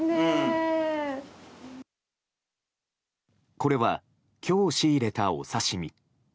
これは今日仕入れたお刺し身。